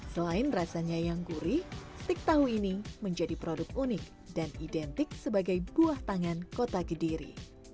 selain rasanya yang gurih stik tahu ini menjadi produk unik dan identik sebagai buah tangan kota kediri